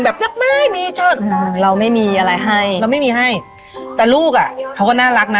สักไม้มีเชิดเราไม่มีอะไรให้เราไม่มีให้แต่ลูกอ่ะเขาก็น่ารักนะ